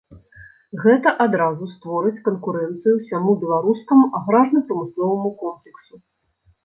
Гэта адразу створыць канкурэнцыю ўсяму беларускаму аграрна-прамысловаму комплексу.